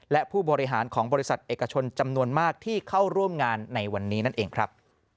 และผู้บริหารของบริษัทเอกชนจำนวนมากที่เข้าร่วมงานในวันนี้นั่นเองครับ